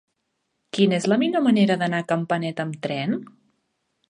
Quina és la millor manera d'anar a Campanet amb tren?